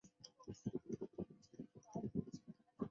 院名又著名学者袁行霈题写。